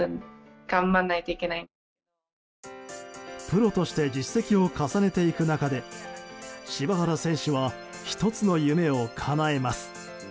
プロとして実績を重ねていく中で柴原選手は１つの夢をかなえます。